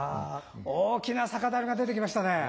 大きな酒樽が出てきましたねえ。